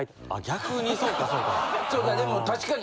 逆にそうかそうか。